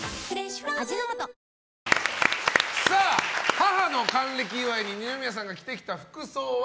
母の還暦祝いに二宮さんが着てきた服装は？